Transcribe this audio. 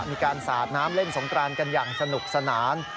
มีการสาดน้ำเล่นสงกรานกันอย่างสนุกสนาน